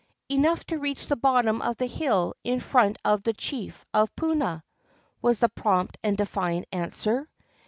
'' "Enough to reach the bottom of the hill in front of the chief of Puna," was the prompt and defiant answer.